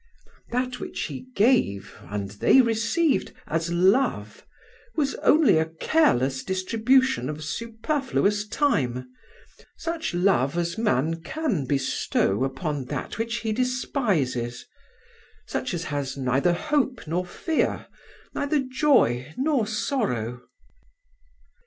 That which he gave, and they received, as love, was only a careless distribution of superfluous time, such love as man can bestow upon that which he despises, such as has neither hope nor fear, neither joy nor sorrow."